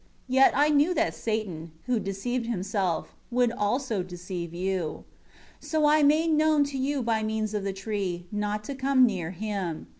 Yet I knew that Satan, who deceived himself, would also deceive you. 17 So I made known to you by means of the tree, not to come near him.